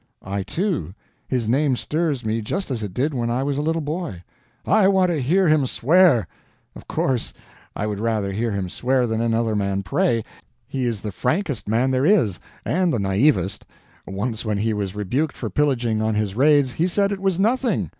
"I too. His name stirs me just as it did when I was a little boy." "I want to hear him swear." "Of course, I would rather hear him swear than another man pray. He is the frankest man there is, and the naivest. Once when he was rebuked for pillaging on his raids, he said it was nothing.